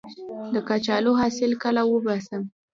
د کچالو حاصل کله وباسم؟